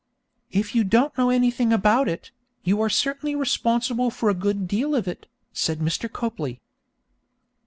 'If you don't know anything about it, you are certainly responsible for a good deal of it,' said Mr. Copley.